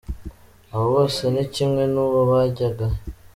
Abo bose ni kimwe n’uwo Bajyagahe.